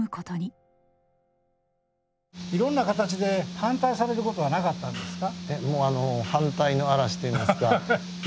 いろんな形で反対されることはなかったんですか？